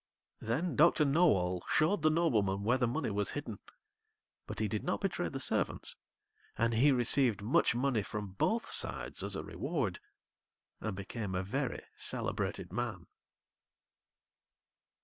Then Doctor Know all showed the nobleman where the money was hidden, but he did not betray the servants; and he received much money from both sides as a reward, and became a very celebrated man.